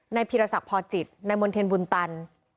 นายพิรษักภอจิตนายมนเทียนบุญตัน